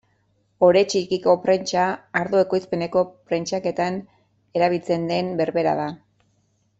Ore txikiko prentsa ardo ekoizpeneko prentsaketan erabiltzen den berbera da.